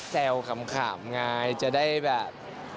แซวขำขามง่ายจะได้แบบ